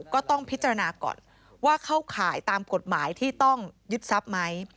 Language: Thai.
ก็ต้องพิจารณาก่อนว่าเข้าข่ายตามกฎหมายที่ต้องยึดทรัพย์ไหม